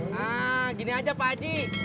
nah gini aja pak aji